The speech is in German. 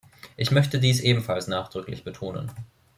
Ich möchte dies ebenfalls nachdrücklich betonen.